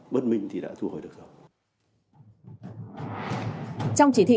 bất minh thì đã thu hồi được rồi